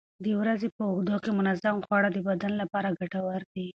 د ورځې په اوږدو کې منظم خواړه د بدن لپاره ګټور دي.